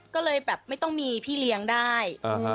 ก็เลยแบบไม่ต้องมีพี่เลี้ยงได้